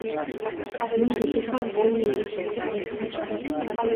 Мөн телефон утасны яриаг сонсохыг хүсэж байлаа.